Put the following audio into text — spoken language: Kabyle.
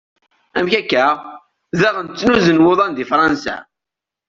Amek akka? Daɣen ttnuzun wurḍan di Fransa?